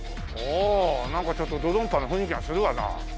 なんかちょっと「どどんぱ」の雰囲気がするわな。